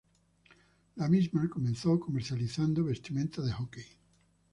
La misma comenzó comercializando vestimenta de hockey.